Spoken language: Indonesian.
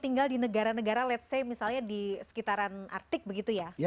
tinggal di negara negara let's say misalnya di sekitaran artik begitu ya